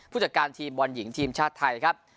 ผู้จัดการทีมบอลหญิงทีมชาติไทยครับ